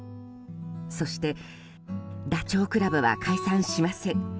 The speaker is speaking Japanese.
そしてダチョウ倶楽部は解散しません。